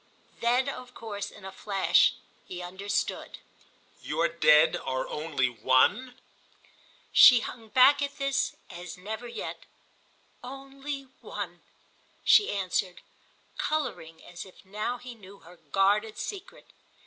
Then of course in a flash he understood. "Your Dead are only One?" She hung back at this as never yet. "Only One," she answered, colouring as if now he knew her guarded secret.